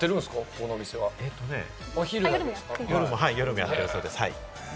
この夜もやっているそうです。